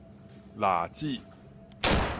抐舌